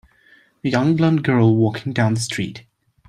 A young blond girl walking down the street.